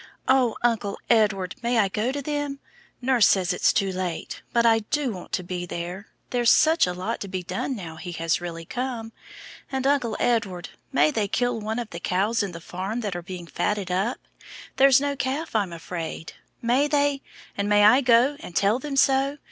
Oh, Uncle Edward, may I go to them? Nurse says it's too late, but I do want to be there. There's such a lot to be done now he has really come; and, Uncle Edward, may they kill one of the cows in the farm that are being fatted up? There's no calf, I'm afraid. May they? And may I go and tell them so?